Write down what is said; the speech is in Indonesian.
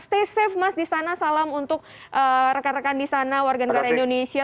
stay safe mas di sana salam untuk rekan rekan di sana warga negara indonesia